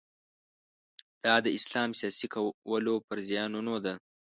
دا د اسلام سیاسي کولو پر زیانونو ده.